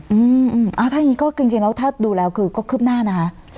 อืมอ่าถ้าอย่างงี้ก็จริงแล้วถ้าดูแล้วคือก็คืบหน้านะคะ